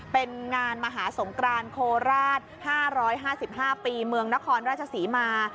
เป็นงานมหาสงกรานโคราช๕๕ปีเมืองนครราชศรีมา